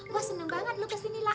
gue seneng banget lo kesini lah